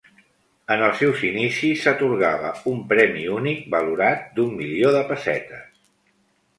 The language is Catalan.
En els seus inicis s'atorgava un premi únic valorat d'un milió de pessetes.